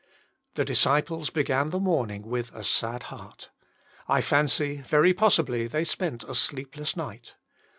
The disciples began the morning with a sad heart. I fancy very possibly they spent a sleepless night.